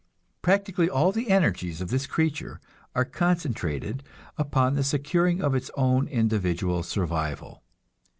Practically all the energies of this creature are concentrated upon the securing of its own individual survival.